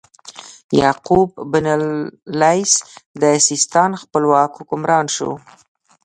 یعقوب بن اللیث د سیستان خپلواک حکمران شو.